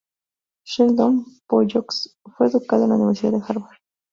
Sheldon Pollock fue educado en la Universidad de Harvard.